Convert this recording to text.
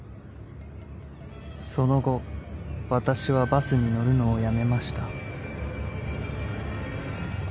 ［その後私はバスに乗るのをやめました］